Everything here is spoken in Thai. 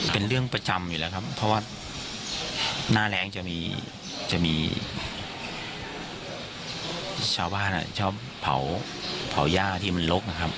เป็นเรื่องประจำอยู่แล้วเพราะว่าหน้าแรงจะมีชาวบ้านชอบเผาหญ้าที่มันลก